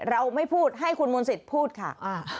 เราไม่พูดให้คุณมนต์สิทธิ์พูดค่ะ